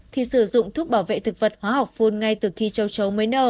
thì sử dụng thuốc bảo vệ thực vật hóa học phun ngay từ khi châu chấu mới nở